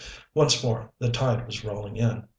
Once more the tide was rolling in.